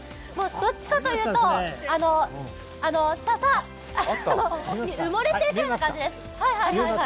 どっちかというと笹に埋もれているような感じです。